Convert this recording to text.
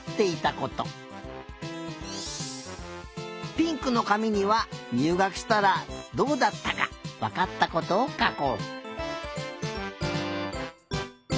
ピンクのかみにはにゅうがくしたらどうだったかわかったことをかこう。